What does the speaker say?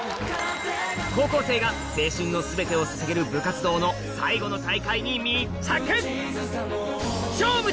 高校生が青春の全てを捧げる部活動の最後の大会に密着！